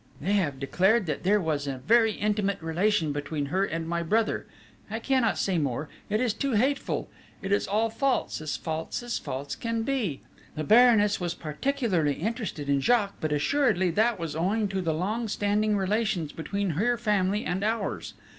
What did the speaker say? They have declared that there was a very intimate relation between her and my brother I cannot say more it is too hateful! It is all false as false as false can be! The Baroness was particularly interested in Jacques, but assuredly that was owing to the long standing relations between her family and ours....